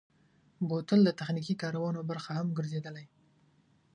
بوتل د تخنیکي کارونو برخه هم ګرځېدلی.